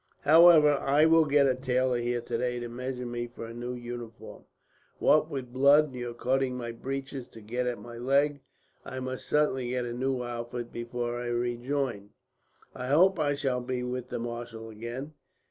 "However, I will get a tailor here today to measure me for a new uniform. What with blood, and your cutting my breeches to get at my leg, I must certainly get a new outfit before I rejoin. "I hope I shall be with the marshal again.